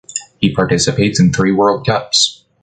He participates in three world cups.